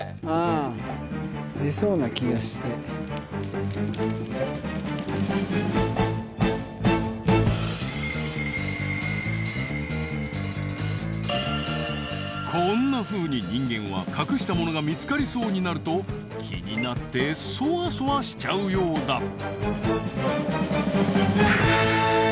うん出そうな気がしてこんなふうに人間は隠したものが見つかりそうになると気になってソワソワしちゃうようだ